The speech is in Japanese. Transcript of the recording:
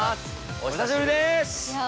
お久しぶりです。